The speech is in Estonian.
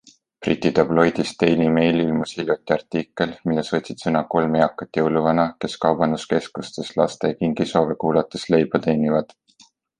Briti tabloidis Daily Mail ilmus hiljuti artikkel, milles võtsid sõna kolm eakat jõuluvana, kes kaubanduskeskustes laste kingisoove kuulates leiba teenivad.